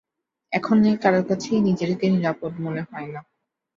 এখানে কারো কাছেই নিজেকে নিরাপদ মনে হয় না!